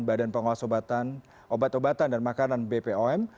badan pengawas obat obatan dan makanan bpom